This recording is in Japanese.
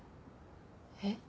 えっ？